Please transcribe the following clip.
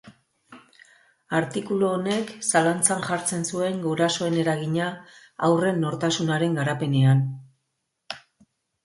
Artikulu honek, zalantzan jartzen zuen gurasoen eragina haurren nortasunaren garapenean.